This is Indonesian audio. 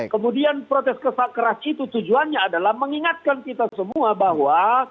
kemudian protes kerasak keras itu tujuannya adalah mengingatkan kita semua bahwa